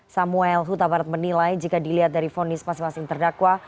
samuel huta barat menilai jika dilihat dari fonis masing masing terdakwa